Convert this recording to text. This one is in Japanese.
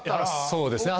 そうですね。